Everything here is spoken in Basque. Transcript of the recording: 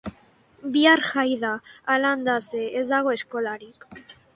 Bihar jai da; halanda ze, ez dago eskolarik